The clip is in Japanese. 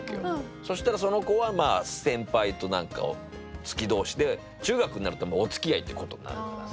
そしたらその子は先輩と何か好き同士で中学になるともうお付き合いっていうことになるからさ。